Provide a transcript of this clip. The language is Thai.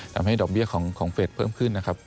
ทำให้ดอกเบี้ยของเฟสเพิ่มขึ้นนะครับ